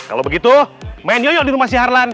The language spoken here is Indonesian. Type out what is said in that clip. kalo begitu main yoyok di rumah si harlan